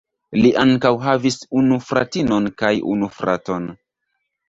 Li ankaŭ havis unu fratinon kaj unu fraton.